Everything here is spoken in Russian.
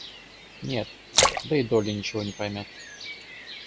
Нет, да и Долли ничего не поймет.